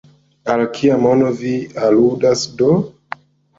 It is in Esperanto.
Al kia mono vi aludas do?